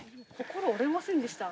心折れませんでした？